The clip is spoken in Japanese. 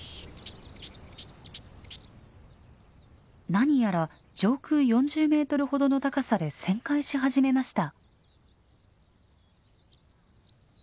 なにやら上空４０メートルほどの高さで旋回し始めました。